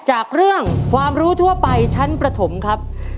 จากเรื่องความรู้ทั่วไปชั้นประถมครับ